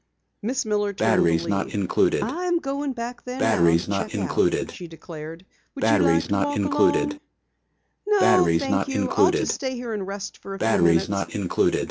Miss Miller turned to leave. "I am going back there now to check out," she declared. "Would you like to walk along?" "No, thank you, I'll just stay here and rest for a few minutes."